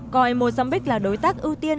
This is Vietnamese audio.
coi mozambique là đối tác ưu tiên